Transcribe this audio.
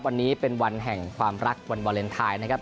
วันนี้เป็นวันแห่งความรักวันวาเลนไทยนะครับ